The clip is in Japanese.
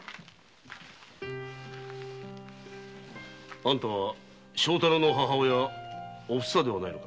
あんたは正太郎の母親「おふさ」ではないのか？